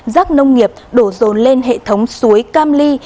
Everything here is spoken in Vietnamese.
rác nông nghiệp đổ rồn lên hệ thống suối cam ly